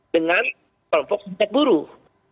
dengan perpuk sintek buruh